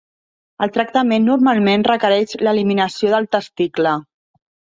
El tractament normalment requereix l'eliminació del testicle.